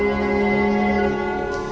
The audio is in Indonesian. aku ingin kembali sini